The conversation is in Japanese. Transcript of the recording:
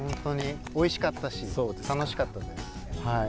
おいしかったし楽しかったです。